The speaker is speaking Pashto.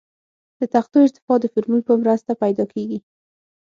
د تختو ارتفاع د فورمول په مرسته پیدا کیږي